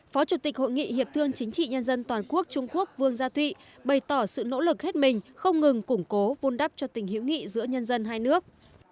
phó chủ tịch hội nghị hiệp thương chính trị nhân dân toàn quốc trung quốc vương gia thụy bày tỏ sự nỗ lực hết mình không ngừng củng cố vun đắp cho tình hữu nghị giữa nhân dân hai nước